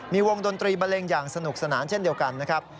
มีวงดนตรีบันเลงอย่างสนุกสนานเช่นเดียวกันนะครับ